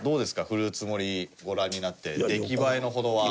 フルーツ盛りご覧になって出来栄えのほどは？